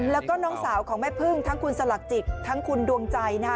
แล้วก็น้องสาวของแม่พึ่งทั้งคุณสลักจิตทั้งคุณดวงใจนะคะ